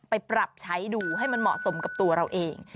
ไปปรับใช้ดูให้มันเหมาะสมกับตัวเราเอง